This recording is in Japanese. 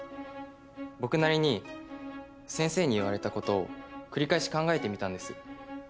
僕なりに先生に言われたことを繰り返し考えてみたんです。